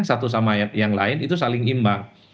satu sama yang lain itu saling imbang